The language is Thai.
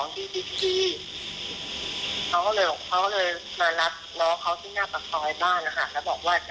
ที่บิ๊กซีเขาพาไปในรายงานที่ทำงานเขาอะค่ะ